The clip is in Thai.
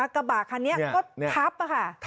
กระบะคันนี้ก็ทับค่ะ